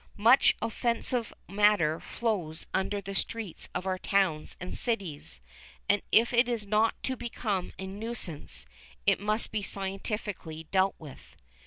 Much offensive matter flows under the streets of our towns and cities, and if it is not to become a nuisance it must be scientifically dealt with.